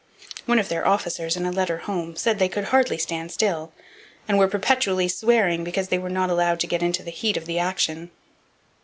One of their officers, in a letter home, said they could hardly stand still, and were perpetually swearing because they were not allowed to get into the heat of action.